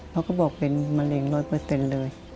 ก่อนเนื้อไปตรวจเขาก็บอกเป็นมะเร็งร้อยเปอร์เซ็นต์เลย